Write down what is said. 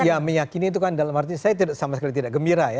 ya meyakini itu kan dalam arti saya sama sekali tidak gembira ya